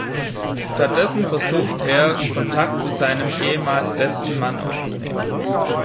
Stattdessen versucht er, Kontakt zu seinem ehemals besten Mann aufzunehmen.